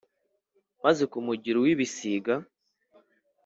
maze kumugira uw'ibisiga